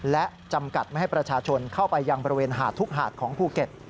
และจำกัดไม่ให้ประชาชนเข้าไปยังบริเวณหาดทุกหาดของภูเก็ต